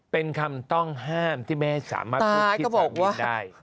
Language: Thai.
เป็นคำต้องห้ามที่ไม่ให้สามารถพูดที่ฟอกเงินได้